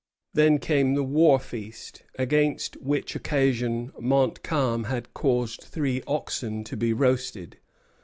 Then came the war feast, against which occasion Montcalm had caused three oxen to be roasted.